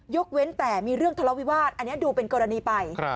เว้นแต่มีเรื่องทะเลาวิวาสอันนี้ดูเป็นกรณีไป